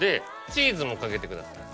チーズもかけてください。